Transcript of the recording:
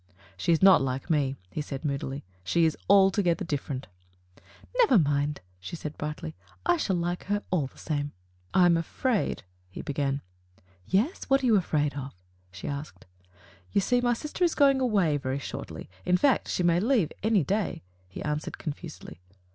"She is not like me," he said moodily. "She is altogether different." "Never mind," she said brightly; "I shall like her all the same." Digitized by Google ?o THE FATE OF FENELLA. ; *'I am afraid " he began. "Yes? What are you afraid of?" she asked. "You see, my sister is going away very shortly; in fact, she may leave any day,'* he answered confusedly.